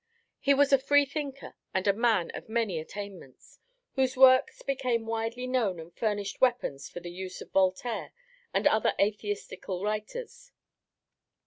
He was a free thinker, and a man of many attainments, whose works became widely known and furnished weapons for the use of Voltaire and other atheistical writers.